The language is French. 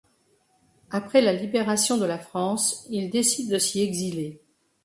Après la libération de la France, il décide de s'y exiler.